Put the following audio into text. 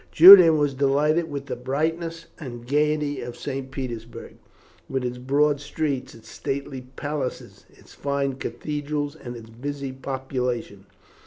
Julian was delighted with the brightness and gaiety of St. Petersburg, with its broad streets, its stately palaces, its fine cathedrals, and its busy population.